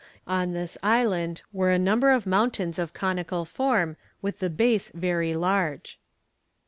On this island were a number of mountains of conical form with the base very large.